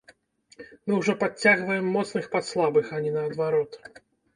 Мы ўжо падцягваем моцных пад слабых, а не наадварот.